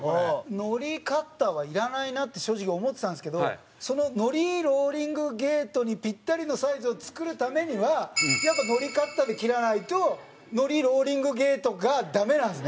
のりカッターは、いらないなって正直、思ってたんですけどそののりローリングゲートにぴったりのサイズを作るためにはやっぱりのりカッターで切らないとのりローリングゲートがダメなんですね。